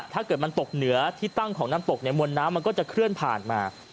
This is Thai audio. ถ้าเกิดมันตกเหนือที่ตั้งของน้ำตกเนี่ยมวลน้ำมันก็จะเคลื่อนผ่านมา